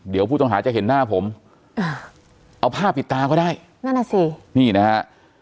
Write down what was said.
เดี๋ยวผู้ต้องหาจะเห็นหน้าผมอ่าเอาผ้าปิดตาก็ได้นั่นอ่ะสินี่นะฮะ